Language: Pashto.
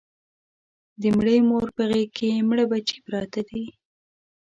د مړې مور په غېږ کې مړه بچي پراته دي